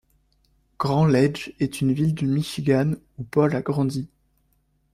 Grand Ledge est une ville du Michigan où Paul a grandi.